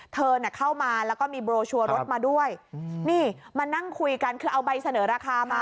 เธอน่ะเข้ามาแล้วก็มีโบรชัวร์รถมาด้วยนี่มานั่งคุยกันคือเอาใบเสนอราคามา